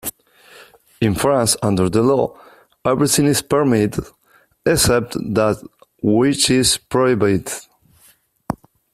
In France, under the law, everything is permitted, except that which is prohibited.